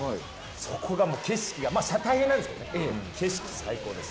そこが景色が大変ですけど景色は最高です。